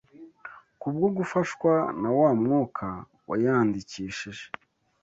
kubwo gufashwa na wa Mwuka wayandikishije